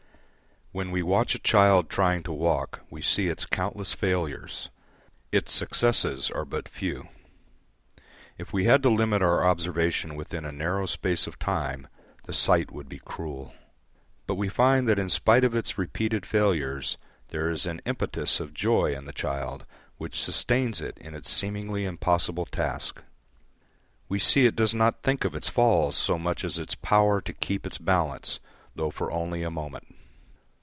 When we watch a child trying to walk, we see its countless failures; its successes are but few. If we had to limit our observation within a narrow space of time, the sight would be cruel. But we find that in spite of its repeated failures there is an impetus of joy in the child which sustains it in its seemingly impossible task. We see it does not think of its falls so much as of its power to keep its balance though for only a moment.